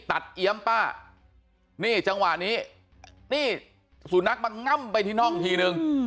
ตัดเอี๊ยมป้านี่จังหวะนี้สู่นักมันง่ำไปที่นอกทีนึง